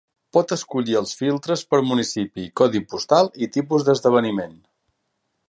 Pot escollir els filtres per municipi, codi postal i tipus d'esdeveniment.